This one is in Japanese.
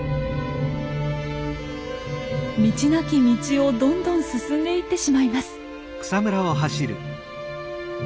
道なき道をどんどん進んでいってしまいます。